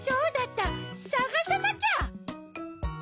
さがさなきゃ！